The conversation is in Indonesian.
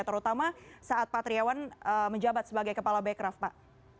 terutama saat pak triawan menjabat sebagai kepala bekraf pak